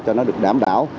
cho nó được đảm bảo